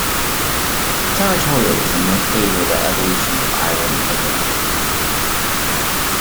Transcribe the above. Territorialism may favor the evolution of island gigantism.